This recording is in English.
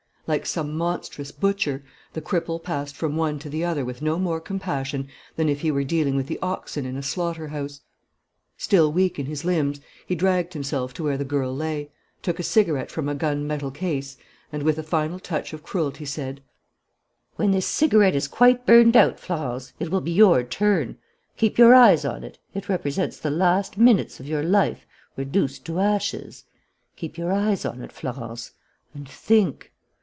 Like some monstrous butcher, the cripple passed from one to the other with no more compassion than if he were dealing with the oxen in a slaughter house. Still weak in his limbs, he dragged himself to where the girl lay, took a cigarette from a gun metal case, and, with a final touch of cruelty, said: "When this cigarette is quite burnt out, Florence, it will be your turn. Keep your eyes on it. It represents the last minutes of your life reduced to ashes. Keep your eyes on it, Florence, and think.